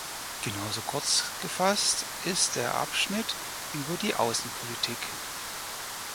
Genauso kurzgefasst ist der Abschnitt über die Außenpolitik.